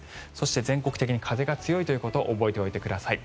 全国的に風が強いということを覚えておいてください。